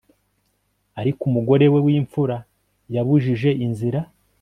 ariko umugore we w'imfura yabujije inzira